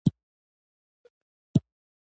ميرويس خان د مخ مينځلو اوبه ترې وغوښتې.